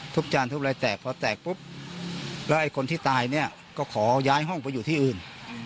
จานทุบอะไรแตกพอแตกปุ๊บแล้วไอ้คนที่ตายเนี่ยก็ขอย้ายห้องไปอยู่ที่อื่น